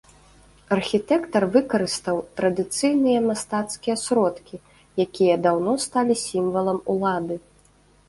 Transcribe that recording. Архітэктар выкарыстаў традыцыйныя мастацкія сродкі, якія даўно сталі сімвалам улады.